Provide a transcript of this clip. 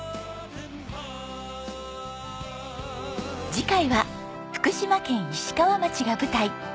次回は福島県石川町が舞台。